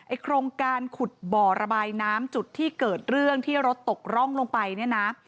โครงการขุดบ่อระบายน้ำจุดที่เกิดเรื่องที่รถตกร่องลงไปเนี่ยนะ